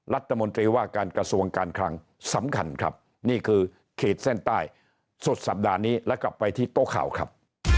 รัฐมนตรีว่าการกระทรวงการคลังสำคัญครับนี่คือขีดเส้นใต้สุดสัปดาห์นี้แล้วกลับไปที่โต๊ะข่าวครับ